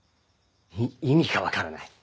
い意味が分からない。